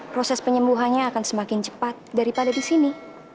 proses penyembuhannya akan semakin cepat daripada di sini